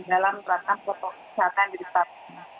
dalam peraturan kota kesehatan di depan